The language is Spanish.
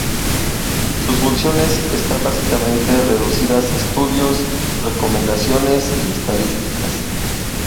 Sus funciones están básicamente reducidas a estudios, recomendaciones y estadísticas.